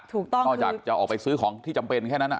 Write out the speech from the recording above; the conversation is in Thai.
ถูกต้องนอกจากจะออกไปซื้อของที่จำเป็นแค่นั้นอ่ะ